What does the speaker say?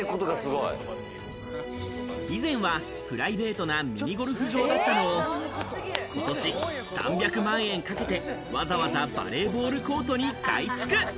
以前はプライベートなミニゴルフ場だったのをことし３００万円かけて、わざわざバレーボールコートに改築。